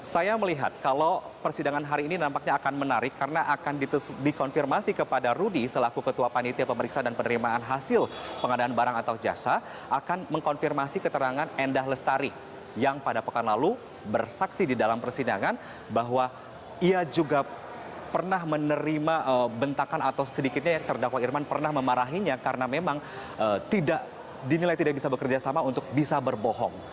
saya melihat kalau persidangan hari ini nampaknya akan menarik karena akan dikonfirmasi kepada rudi selaku ketua panitia pemeriksaan dan penerimaan hasil pengadaan barang atau jasa akan mengkonfirmasi keterangan endah lestari yang pada pekan lalu bersaksi di dalam persidangan bahwa ia juga pernah menerima bentakan atau sedikitnya yang terdakwa irman pernah memarahinya karena memang tidak dinilai tidak bisa bekerja sama untuk bisa berbohong